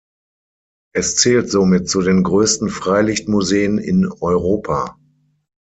Es zählt somit zu den größten Freilichtmuseen in Europa.